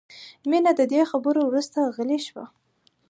مینه د دې خبرو وروسته غلې شوه